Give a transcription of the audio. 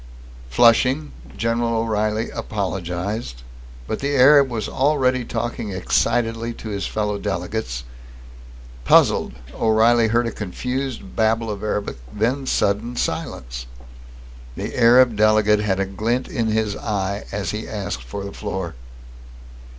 Flushing, General O'Reilly apologized, but the Arab was already talking excitedly to his fellow delegates. Puzzled, O'Reilly heard a confused babble of Arabic, then sudden silence. The Arab delegate had a glint in his eye as he asked for the floor.